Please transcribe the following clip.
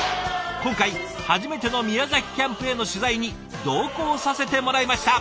今回初めての宮崎キャンプへの取材に同行させてもらいました。